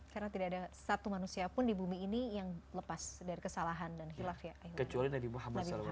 karena tidak ada satu manusia pun di bumi ini yang lepas dari kesalahan dan khilafah